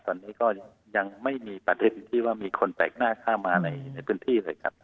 ตอนนี้ก็ยังไม่มีประเด็นที่ว่ามีคนแปลกหน้าเข้ามาในพื้นที่เลยครับ